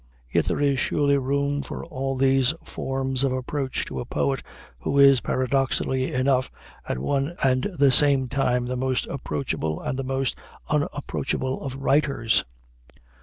yet there is surely room for all these forms of approach to a poet who is, paradoxically enough, at one and the same time, the most approachable and the most unapproachable of writers.